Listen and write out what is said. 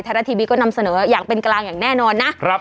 รัฐทีวีก็นำเสนออย่างเป็นกลางอย่างแน่นอนนะ